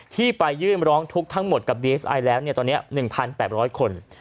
ที่ไปแจ้งความกับตำรวจอีก๒๐๐คน